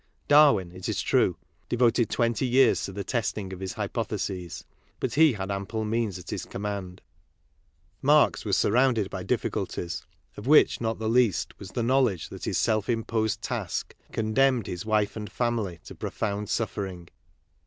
Darwin, it is true, devoted twenty years to the testing of his hypotheses, but he had ample means at his com mand. Marx was surrounded by difficulties, of which not the least was the knowledge that his self imposed task condemned his wife and family to profound suffer ing.